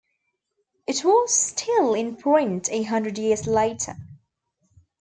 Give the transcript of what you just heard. It was still in print a hundred years later.